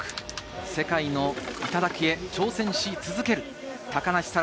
世界の頂へ挑戦し続ける高梨沙羅